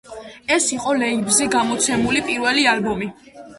ეს იყო ლეიბლზე გამოცემული პირველი ალბომი.